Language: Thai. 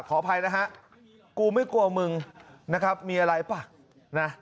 ขออภัยนะฮะกูไม่กลัวมึงมีอะไรป่ะ